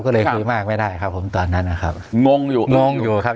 ก็เลยคุยมากไม่ได้ครับผมตอนนั้นนะครับงงอยู่งงอยู่ครับ